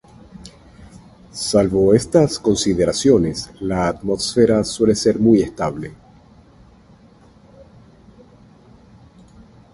Salvo estas consideraciones la atmósfera suele ser muy estable.